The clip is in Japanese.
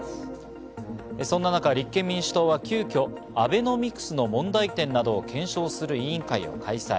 そんな中、立憲民主党は急きょアベノミクスの問題点などを検証する委員会を開催。